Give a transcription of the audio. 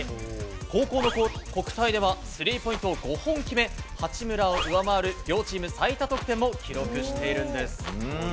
高校の国体では、スリーポイントを５本決め、八村を上回る両チーム最多得点も記録しているんです。